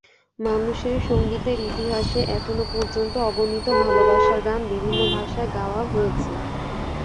মানুষের সংগীতের ইতিহাসে এখন পর্যন্ত অগণিত ভালোবাসার গান বিভিন্ন ভাষায় গাওয়া হয়েছে।